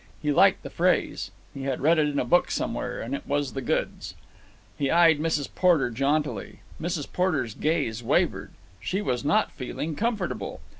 He liked that phrase. He had read it in a book somewhere, and it was the goods. He eyed Mrs. Porter jauntily. Mrs. Porter's gaze wavered. She was not feeling comfortable.